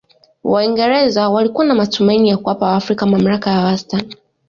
waingereza walikuwa na matumaini ya kuwapa waafrika mamlaka ya wastani